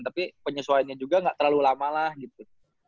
tapi penyesuaiannya juga nggak terlalu lama lah gitu